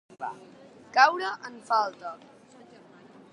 Caure en falta.